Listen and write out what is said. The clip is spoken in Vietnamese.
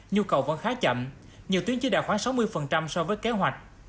nhu cầu vẫn khá chậm nhiều tuyến chỉ đạt khoảng sáu mươi so với kế hoạch